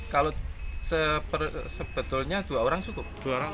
kalau sebetulnya dua orang cukup